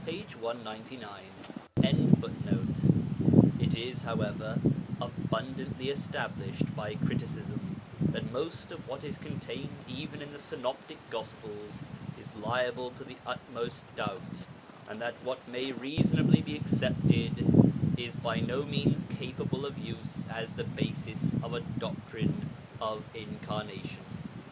199.] It is, however, abundantly established by criticism that most of what is contained even in the Synoptic Gospels is liable to the utmost doubt, and that what may reasonably be accepted is by no means capable of use as the basis of a doctrine of Incarnation.